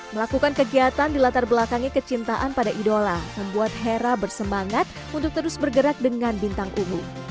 melakukan kegiatan di latar belakangi kecintaan pada idola membuat hera bersemangat untuk terus bergerak dengan bintang ungu